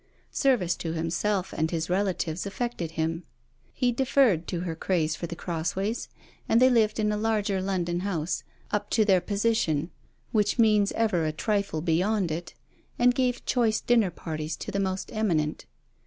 Service to himself and his relatives affected him. He deferred to her craze for The Crossways, and they lived in a larger London house, 'up to their position,' which means ever a trifle beyond it, and gave choice dinner parties to the most eminent.